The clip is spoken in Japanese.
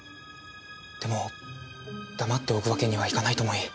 でも黙っておくわけにはいかないと思い。